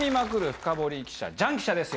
フカボリ記者ジャン記者です